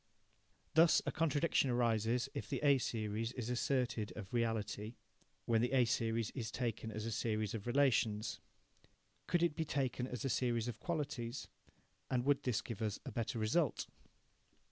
Thus a contradiction arises if the A series is asserted of reality when the A series is taken as a series of relations. Could it be taken as a series of qualities, and would this give us a better result?